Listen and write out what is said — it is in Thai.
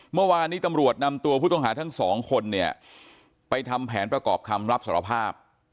เมื่อวานนี้ตำรวจนำตัวผู้ต้องหาทั้งสองคนเนี่ยไปทำแผนประกอบคำรับสารภาพ